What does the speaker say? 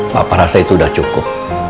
papa rasa itu udah cukup